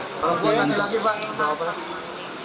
perempuan atau laki laki pak